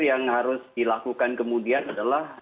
yang harus dilakukan kemudian adalah